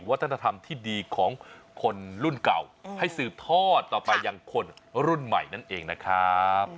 วัฒนธรรมที่ดีของคนรุ่นเก่าให้สืบทอดต่อไปยังคนรุ่นใหม่นั่นเองนะครับ